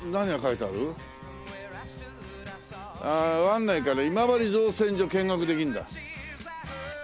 ああ湾内から今治造船所見学できるんだ。